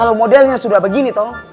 kalau modelnya sudah begini tong